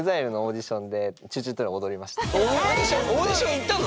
オーディション行ったの？